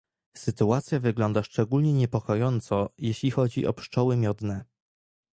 Sytuacja wygląda szczególnie niepokojąco, jeśli chodzi o pszczoły miodne